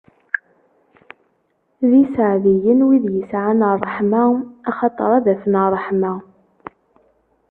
D iseɛdiyen, wid yesɛan ṛṛeḥma, axaṭer ad afen ṛṛeḥma!